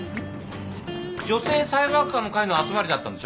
女性裁判官の会の集まりだったんでしょ。